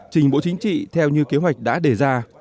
trình bộ chính trị theo như kế hoạch đã đề ra